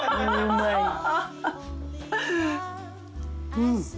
うん。